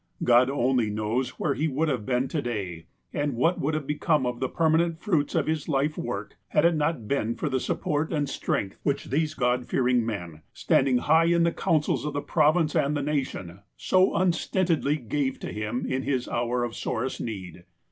God only knows where he would have been to day, and what would have become of the permanent fruits of his life work, had it not been for the support and strength which these God fearing men, standing high in the coun cils of the province and the nation, so unstintedly gave to him in his hour of sorest need.